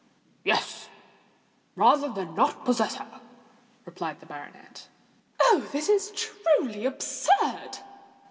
"Yes—rather than not possess her," replied the baronet. "Oh! this is truly absurd!"